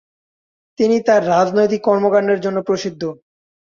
তিনি তার রাজনৈতিক কর্মকান্ডের জন্য প্রসিদ্ধ।